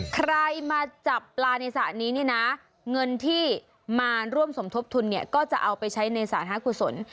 ใครมาจับปลาในสถานีนี้เงินที่มาร่วมสมทบทุนก็จะเอาไปใช้ในสถานหาคุณสน